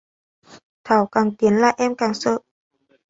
thảo càng tiến lại em càng sợ